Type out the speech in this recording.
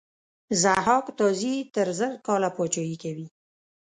ضحاک تازي تر زر کاله پاچهي کوي.